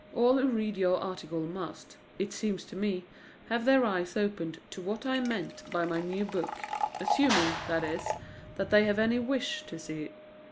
All who read your article must, it seems to me, have their eyes opened to what I meant by my new book assuming, that is, that they have any wish to see.